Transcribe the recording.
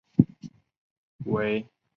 唯康文署未有回覆加设栏杆的原因。